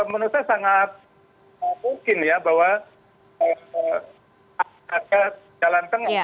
menurut saya sangat mungkin ya bahwa ada jalan tengah